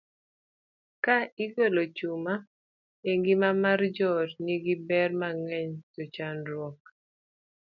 Kaka igolo chuma: A. Ngima mar joot nigi ber mang'eny, to chandruok